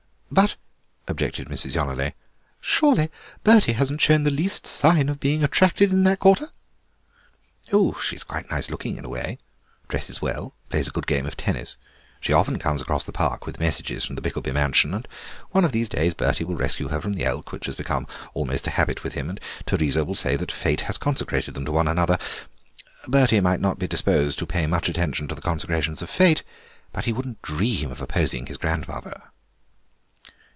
"But," objected Mrs. Yonelet, "surely Bertie hasn't shown the least sign of being attracted in that quarter?" "Oh, she's quite nice looking in a way, and dresses well, and plays a good game of tennis. She often comes across the park with messages from the Bickelby mansion, and one of these days Bertie will rescue her from the elk, which has become almost a habit with him, and Teresa will say that Fate has consecrated them to one another. Bertie might not be disposed to pay much attention to the consecrations of Fate, but he would not dream of opposing his grandmother."